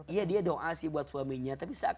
iya dia doa sih buat suaminya tapi